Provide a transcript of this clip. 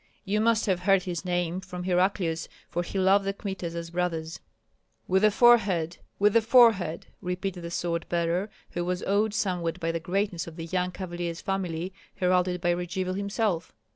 You must have heard his name from Heraclius, for he loved the Kmitas as brothers." "With the forehead, with the forehead!" repeated the sword bearer, who was awed somewhat by the greatness of the young cavalier's family, heralded by Radzivill himself.